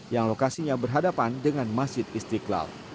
yang lokasinya berhadapan dengan masjid istiqlal